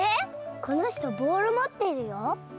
この人ボールもってるよ？